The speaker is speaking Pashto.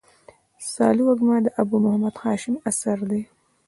سالو وږمه د ابو محمد هاشم اثر دﺉ.